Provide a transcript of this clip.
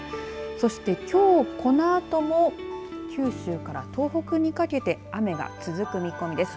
そして、きょうこのあとも九州から東北にかけて雨が続く見込みです。